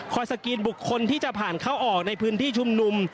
สกรีนบุคคลที่จะผ่านเข้าออกในพื้นที่ชุมนุม